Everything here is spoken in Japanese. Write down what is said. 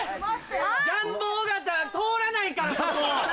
ジャンボ尾形通らないからそこ！